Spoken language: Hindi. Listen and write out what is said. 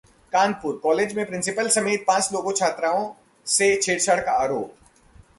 कानपुर: कॉलेज के प्रिंसिपल समेत पांच लोगों छात्राओं से छेड़छाड़ का आरोप